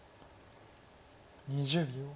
２０秒。